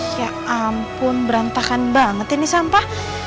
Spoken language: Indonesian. kayak ampun berantakan banget ini sampah